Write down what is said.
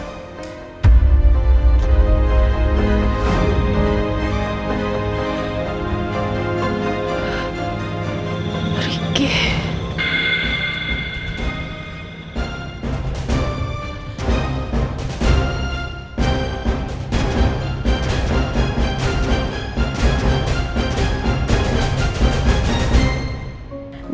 itu pasti butuh teman